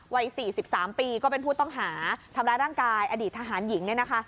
วัย๔๓ปีก็เป็นผู้ต้องหาทำร้ายร่างกายอดีตทหารหญิงเนี่ยนะคะ